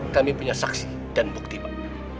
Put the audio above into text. kami punya saksi dan bukti pak